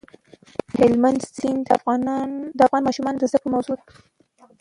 هلمند سیند د افغان ماشومانو د زده کړې موضوع ده.